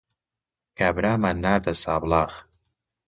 کابرامان ناردە سابڵاغ.